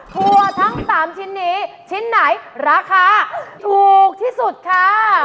ถั่วทั้ง๓ชิ้นนี้ชิ้นไหนราคาถูกที่สุดค่ะ